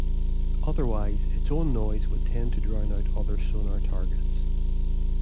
Otherwise, its own noise would tend to drown out other sonar targets.